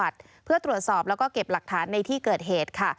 เพื่อตรวจสอบแล้วก็เก็บหลักฐานในที่เกิดเหตุค่ะ